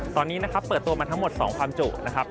ตอนนี้นะครับเปิดตัวมาทั้งหมด๒ความจุนะครับ